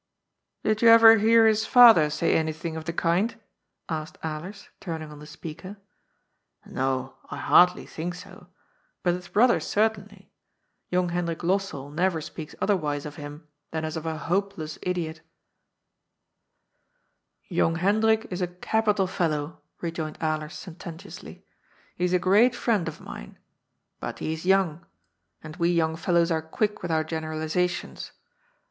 " Did you ever hear his father say anything of the kind ?" asked Alers, turning on the speaker. "No; I hardly think so. But his brother certainly. Young Hendrik Lossell never speaks otherwise of him than as of a hopeless idiot" 138 GOD'S FOOU ^'Tonng Hendrik is a capital fellow," rejoined Alers sententiously. *' He is a great friend of mine. But he is young. And we young fellows are quick with our generali Bations.